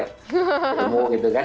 berkumpul gitu kan